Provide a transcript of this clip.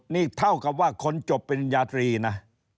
นี่เท่ากับว่าคนจบเป็นยาตรีนะ